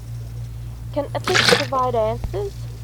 Can Ethics Provide Answers?